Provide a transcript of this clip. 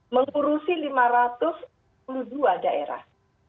mengurusi lima ratus empat puluh dua daerah